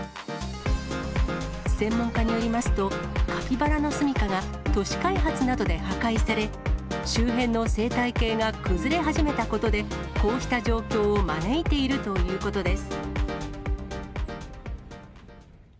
専門家によりますと、カピバラのすみかが都市開発などで破壊され、周辺の生態系が崩れ始めたことで、こうした状況を招いているということです。